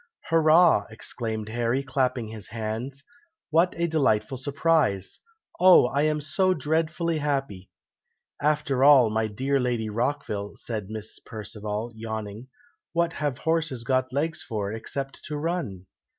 "Hurra!" exclaimed Harry, clapping his hands; "what a delightful surprise! Oh! I am so dreadfully happy!" "After all, my dear Lady Rockville," said Miss Perceval, yawning, "what have horses got legs for, except to run?"